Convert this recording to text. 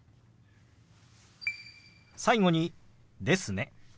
最後に「ですね」。